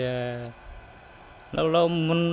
con cái nó học hành